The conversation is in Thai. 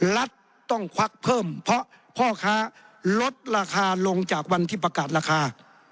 รัฐต้องควักเพิ่มเพราะพ่อค้าลดราคาลงจากวันที่ประกาศราคา